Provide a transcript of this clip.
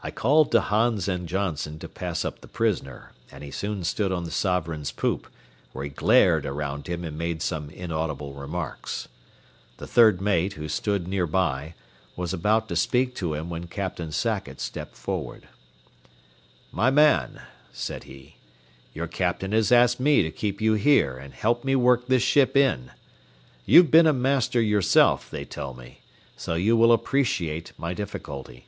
I called to Hans and Johnson to pass up the prisoner, and he soon stood on the Sovereign's poop, where he glared around him and made some inaudible remarks. The third mate, who stood near by, was about to speak to him when Captain Sackett stepped forward. "My man," said he, "your captain has asked me to keep you here and help me work this ship in. You've been a master yourself, they tell me, so you will appreciate my difficulty.